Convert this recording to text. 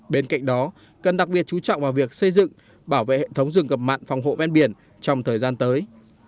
bên cạnh đó cần đặc biệt chú trọng vào việc xây dựng bảo vệ hệ thống rừng gập mặn phòng hộ ven biển trong thời gian tới